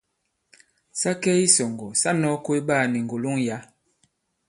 Sa kɛ i isɔ̀ŋgɔ̀ sa nɔ̄ɔ koy ɓaā ni ŋgòloŋ yǎ.